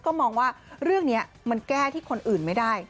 ก็มองว่าเรื่องนี้มันแก้ที่คนอื่นไม่ได้